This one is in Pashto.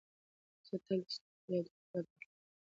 زه تل ستا په یادونو کې د ابد لپاره پاتې یم.